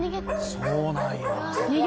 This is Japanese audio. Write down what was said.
そうなんや。